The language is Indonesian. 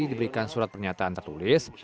diberikan surat pernyataan tertulis